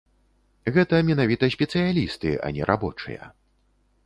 Гэта менавіта спецыялісты, а не рабочыя.